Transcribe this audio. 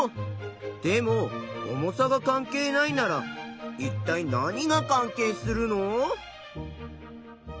でも重さが関係ないならいったい何が関係するの？